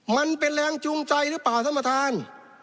มันเป็นแรงจุงใจหรือเปล่าซำมทาน